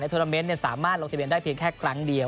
โทรเมนต์สามารถลงทะเบียนได้เพียงแค่ครั้งเดียว